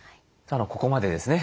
ここまでですね